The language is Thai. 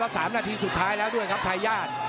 แล้ว๓นาทีสุดท้ายแล้วด้วยครับไทยรัส